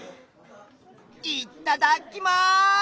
いっただっきます！